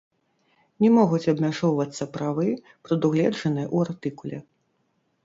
Не могуць абмяжоўвацца правы, прадугледжаныя ў артыкуле.